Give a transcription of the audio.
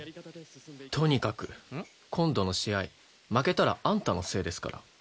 とにかく今度の試合負けたらあんたのせいですから。